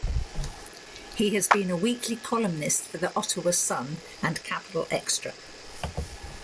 He has been a weekly columnist for the "Ottawa Sun" and "Capital Xtra!".